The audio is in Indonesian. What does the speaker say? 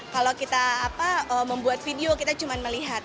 kalau kita membuat video kita cuma melihat